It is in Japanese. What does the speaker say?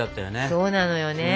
そうなのよね。